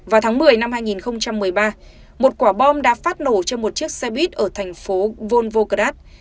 vào tháng một mươi năm hai nghìn một mươi ba một quả bom đã phát nổ cho một chiếc xe buýt ở thành phố volvocrat